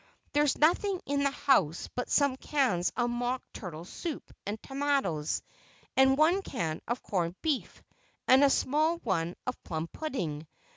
There's nothing in the house but some cans of mock turtle soup and tomatoes, and one can of corned beef, and a small one of plum pudding.